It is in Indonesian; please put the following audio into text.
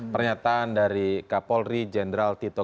pernyataan dari kapolri jenderal tito